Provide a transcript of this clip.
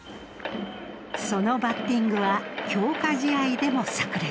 そのバッティングは強化試合でも炸裂。